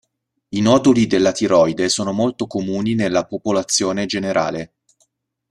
I noduli dell'tiroide sono molto comuni nella popolazione generale.